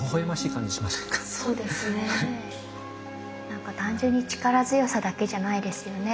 何か単純に力強さだけじゃないですよね